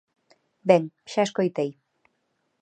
Ben, xa escoitei.